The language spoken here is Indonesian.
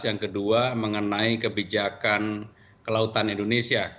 yang kedua mengenai kebijakan kelautan indonesia